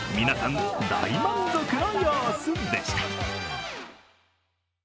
皆さん、大満足の様子でした。